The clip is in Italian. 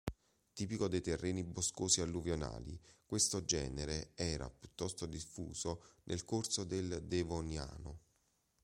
Tipico dei terreni boscosi alluvionali, questo genere era piuttosto diffuso nel corso del Devoniano.